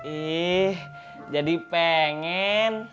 ih jadi pengen